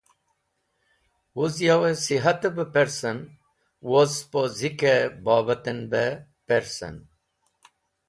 Wuz yo sihatẽ bẽ persẽm woz spo zikẽ bobatẽn bẽ pẽrsẽm.